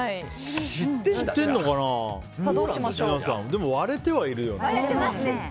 でも割れてはいるよね。